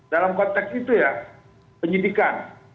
dalam konteks itu ya penyidikan